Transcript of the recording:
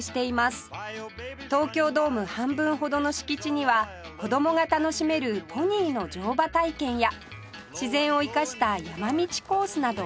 東京ドーム半分ほどの敷地には子供が楽しめるポニーの乗馬体験や自然を生かした山道コースなど様々